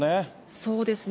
そうですね。